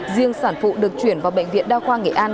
riêng sản phụ được chuyển vào bệnh viện đa khoa nghệ an